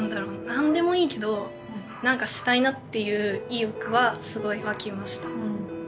何でもいいけど何かしたいなっていう意欲はすごい湧きました。